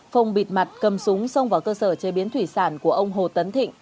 phong bịt mặt cầm súng xông vào cơ sở chế biến thủy sản của ông hồ tấn thịnh